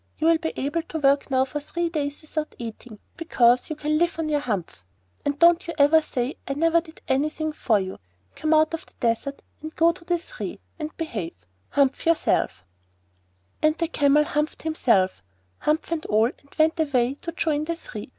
You will be able to work now for three days without eating, because you can live on your humph; and don't you ever say I never did anything for you. Come out of the Desert and go to the Three, and behave. Humph yourself!' And the Camel humphed himself, humph and all, and went away to join the Three.